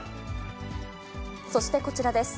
そしてこちらです。